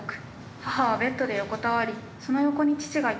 母はベッドで横たわりその横に父がいた」。